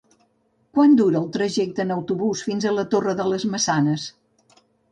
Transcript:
Quant dura el trajecte en autobús fins a la Torre de les Maçanes?